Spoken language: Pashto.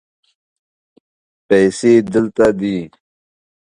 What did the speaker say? پیسې دلته دي